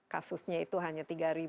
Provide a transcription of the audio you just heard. kasusnya itu hanya tiga ribu empat ribu